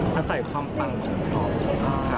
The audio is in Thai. ถ้าใส่ความปังของเราค่ะ